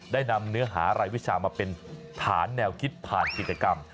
ได้นำเนื้อหารายวิชามาเป็นฐานแนวคิดผ่านกิจกรรม